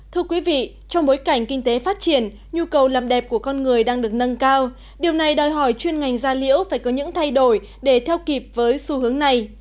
thưa quý vị trong bối cảnh kinh tế phát triển nhu cầu làm đẹp của con người đang được nâng cao điều này đòi hỏi chuyên ngành gia liễu phải có những thay đổi để theo kịp với xu hướng này